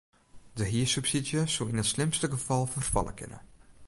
De hiersubsydzje soe yn it slimste gefal ferfalle kinne.